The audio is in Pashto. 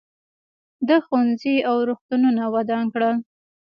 ده ښوونځي او روغتونونه ودان کړل.